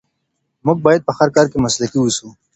موږ باید په هر کار کې مسلکي واوسو.